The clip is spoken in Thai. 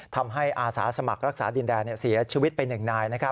อาสาสมัครรักษาดินแดนเสียชีวิตไป๑นาย